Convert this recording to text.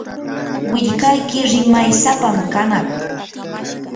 willkayki rimaysapam kanaq.